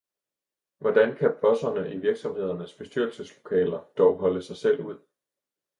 Hvordan kan bosserne i virksomhedernes bestyrelseslokaler dog holde sig selv ud?